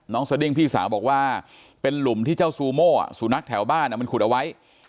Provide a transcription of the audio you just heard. สดิ้งพี่สาวบอกว่าเป็นหลุมที่เจ้าซูโม่สุนัขแถวบ้านมันขุดเอาไว้